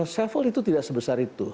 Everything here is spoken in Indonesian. sevel itu tidak sebesar itu